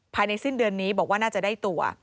ภายในสิ้นเดือนนี้บอกว่าน่าจะได้ตัว